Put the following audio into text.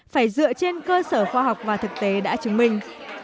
phải dựa trên cơ sở khoa học và thực tế đã chứng minh